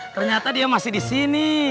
ternyata dia masih di sini